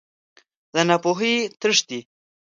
له ناپوهۍ تښتې.